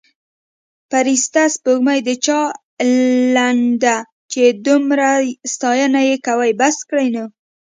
فرسته سپوړمۍ د چا لنډه چې دمره یې ستاینه یې کوي بس کړﺉ نو